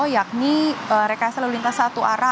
yakni rekayasa lalu lintas satu arah